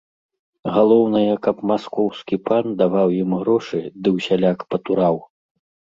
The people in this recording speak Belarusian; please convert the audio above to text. Галоўнае, каб маскоўскі пан даваў ім грошы ды ўсяляк патураў.